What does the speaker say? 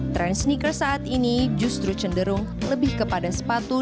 tren sneakers saat ini justru cenderung lebih kepada sepatu